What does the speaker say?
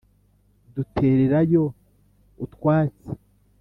Dutererayo utwatsi